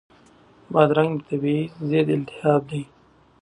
بادرنګ طبیعي ضد التهاب دی.